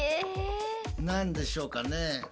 何でしょうかね？